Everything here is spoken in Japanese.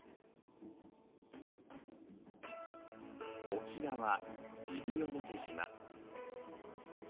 沖縄西表島。